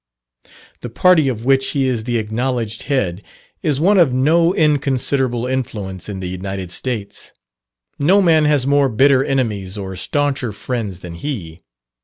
The party of which he is the acknowledged head, is one of no inconsiderable influence in the United States. No man has more bitter enemies or stauncher friends than he.